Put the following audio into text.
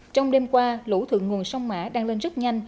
trong đêm qua lũ thượng nguồn sông mã đang lên rất nhanh